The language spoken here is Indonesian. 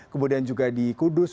kemudian juga di kudus